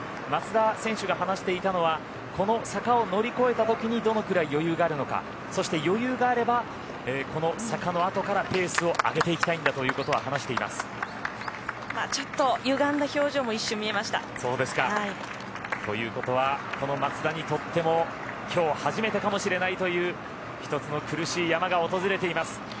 松田選手が話していたのはこの坂を乗り越えた時にどのぐらい余裕があるのかそして余裕があればこの坂の後からペースを上げていきたいんだということをちょっとゆがんだ表情もこの松田にとってもきょう初めてかもしれないという１つの苦しい山が訪れています。